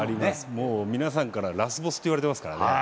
もう、皆さんからラスボスって言われてますからね。